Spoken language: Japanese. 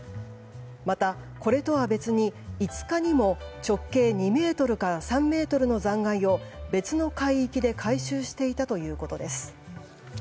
また、これとは別に５日にも直径２ｍから３ｍの残骸を別の海域で回収していたということです。